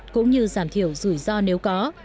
cũng như giảm thiểu rủi ro nếu có